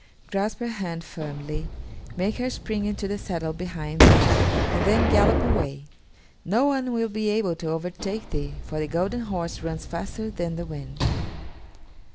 Grasp her hand firmly; make her spring into the saddle behind thee, and then gallop away; no one will be able to overtake thee, for the golden horse runs faster than the wind."